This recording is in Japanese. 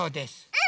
うん！